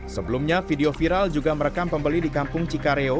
sebelumnya video viral juga merekam pembeli di kampung cikareo